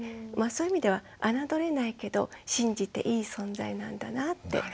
そういう意味では侮れないけど信じていい存在なんだなって。